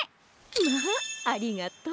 まあありがとう。